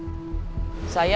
mau mengundurkan saya